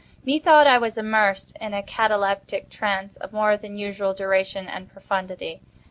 Methought I was immersed in a cataleptic trance of more than usual duration and profundity.